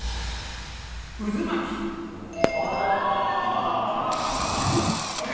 ああまあまあまあまあＯＫ・